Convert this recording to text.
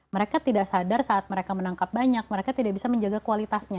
mereka tidak sadar saat mereka menangkap banyak mereka tidak bisa menjaga kualitasnya